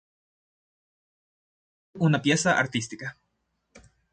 Está considerado una pieza artística.